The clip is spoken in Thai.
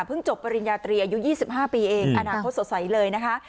จบปริญญาตรีอายุ๒๕ปีเองอนาคตสดใสเลยนะคะ